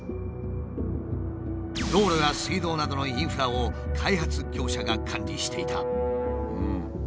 道路や水道などのインフラを開発業者が管理していた。